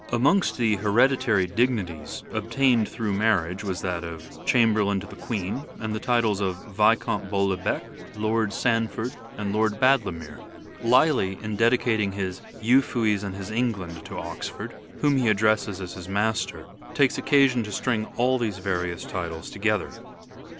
Amongst the hereditary dignities obtained through marriage was that of Chamberlain to the Queen, and the titles of Viscount Bolebec, Lord ANCESTRY OF EDWARD DE VERE 221 Sandford, and Lord Badlemere. Lyly in dedicating his " Euphues and his England " to Oxford, whom he addresses as his master, takes occasion to string all these various titles together.